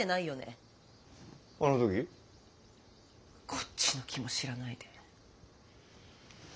こっちの気も知らないで。